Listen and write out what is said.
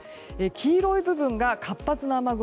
黄色い部分が活発な雨雲